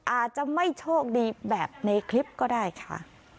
อาจจะไม่โชคดีแบบในคลิปก็ได้ค่ะ